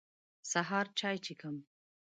سهار چاي څښم.